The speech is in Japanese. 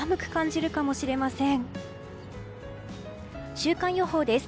週間予報です。